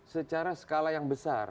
secara skala yang besar